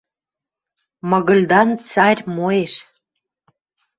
Мыгыльдан царь моэш!